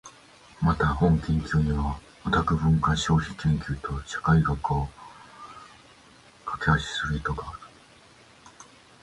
また、本研究にはオタク文化消費研究と社会学を架橋する意図がある。